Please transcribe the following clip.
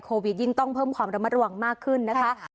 โควิดยิ่งต้องเพิ่มความระมะดวงมากขึ้นนะคะ